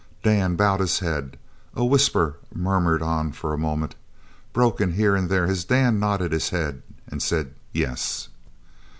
Dan bowed his head. A whisper murmured on for a moment, broken here and there as Dan nodded his head and said, "Yes!"